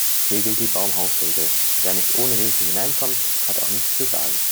Hier gilt die Baumhausregel: Wer nicht ohne Hilfe hineinkommt, hat auch nichts zu sagen.